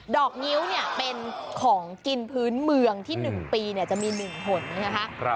อกงิ้วเนี่ยเป็นของกินพื้นเมืองที่๑ปีจะมี๑หนนะคะ